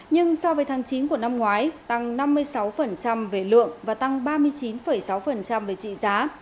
nhưng so với tháng chín của năm ngoái tăng năm mươi sáu về lượng và tăng ba mươi chín sáu về trị giá